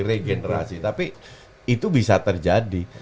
regenerasi tapi itu bisa terjadi